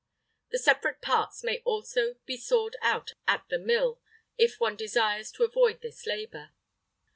The separate parts may also be sawed out at the mill, if one desires to avoid this labor.